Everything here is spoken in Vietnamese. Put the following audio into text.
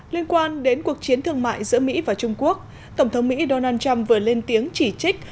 liên quan đến cuộc chiến thương mại giữa mỹ và trung quốc tổng thống mỹ donald trump vừa lên tiếng chỉ trích